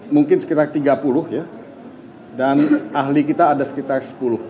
mungkin sekitar tiga puluh ya dan ahli kita ada sekitar sepuluh